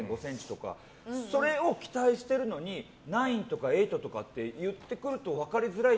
それを期待してるのにナインとかエイトとかって言ってくると分かりづらい。